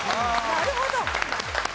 なるほど！